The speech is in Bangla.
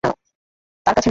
তার কাছে নাও।